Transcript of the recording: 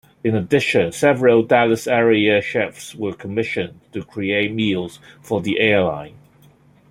In addition, several Dallas-area chefs were commissioned to create meals for the airline.